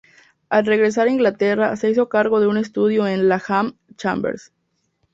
Al regresar a Inglaterra se hizo cargo de un estudio en Langham Chambers.